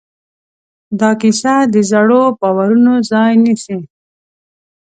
دا کیسه د زړو باورونو ځای نيسي.